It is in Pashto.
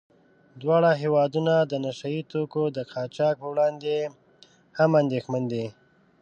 دواړه هېوادونه د نشه يي توکو د قاچاق په وړاندې هم اندېښمن دي.